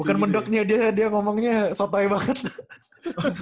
bukan mendoknya dia ngomongnya sotoy banget